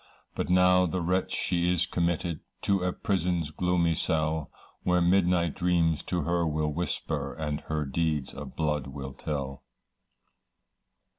But now the wretch she is committed, To a prison's gloomy cell, Where midnight dreams to her will whisper And her deeds of blood will tell.